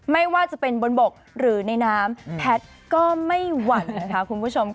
ไม่ว่าจะเป็นบนบกหรือในน้ำแพทย์ก็ไม่หวั่นนะคะคุณผู้ชมค่ะ